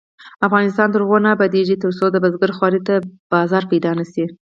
افغانستان تر هغو نه ابادیږي، ترڅو د بزګر خوارۍ ته بازار پیدا نشي.